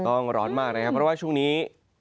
ร้อนมากนะครับเพราะว่าช่วงนี้